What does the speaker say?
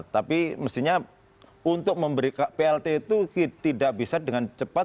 tapi mestinya untuk memberikan plt itu tidak bisa dengan cepat